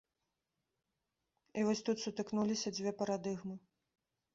І вось тут сутыкнуліся дзве парадыгмы.